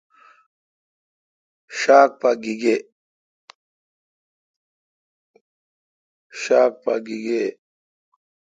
شاک پا گیگے°